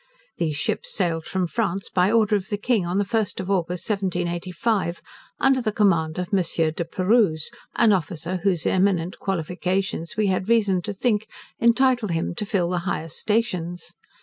These ships sailed from France, by order of the King, on the 1st of August, 1785, under the command of Monsieur De Perrouse, an officer whose eminent qualifications, we had reason to think, entitle him to fill the highest stations.